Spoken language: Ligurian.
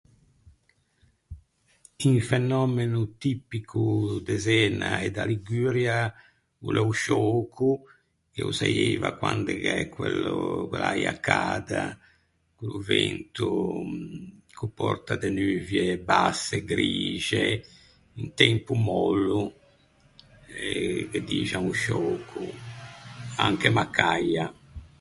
Un fenòmeno tipico de Zena e da Liguria o l'é o sciöco, che o saieiva quande gh'é quello, quell'äia cada, quello vento ch'o pòrta de nuvie basse, grixe... Tempo mòllo... Ghe dixan o sciöco, anche macaia...